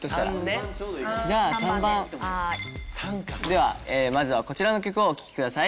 ではまずはこちらの曲をお聴きください。